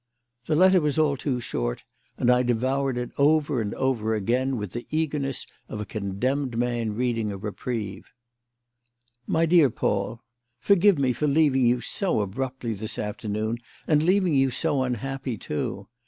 The letter was all too short, and I devoured it over and over again with the eagerness of a condemned man reading a reprieve: "My Dear Paul, "Forgive me for leaving you so abruptly this afternoon, and leaving you so unhappy, too.